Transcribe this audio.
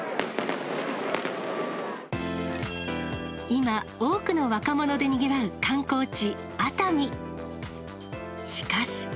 今、多くの若者でにぎわう観光地、熱海。